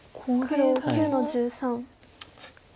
黒９の十三。